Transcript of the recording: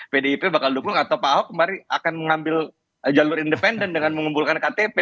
pdip bakal dukung atau pak ahok kemarin akan mengambil jalur independen dengan mengumpulkan ktp